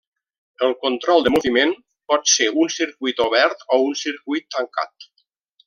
El control de moviment pot ser un circuit obert o un circuit tancat.